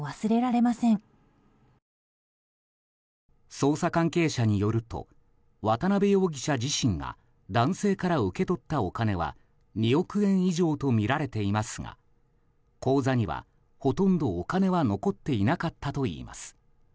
捜査関係者によると渡邊容疑者自身が男性から受け取ったお金は２億円以上とみられていますが口座には、ほとんどお金は残っていなかったといいます。